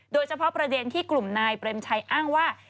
ก็ประเด็นที่กลุ่มนายเปรมชัยอ้างว่า